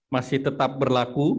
masih tetap berlaku